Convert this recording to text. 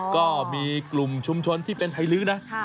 ก็มีกลุ่มชุมชนที่เป็นไทยลื้อนะ